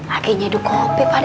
lagi nyaduk kopi pakde